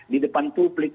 di depan publik